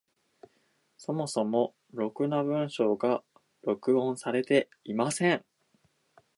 そもそもろくな文章が録音されていない。